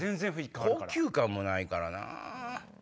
高級感もないからな。